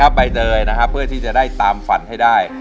ใบเตยหันมามองหน้าแบบอืม